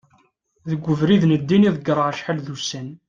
deg ubrid n ddin i ḍegreɣ acḥal d ussan